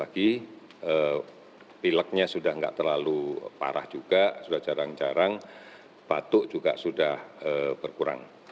pilihannya sudah enggak terlalu parah juga sudah jarang jarang batuk juga sudah berkurang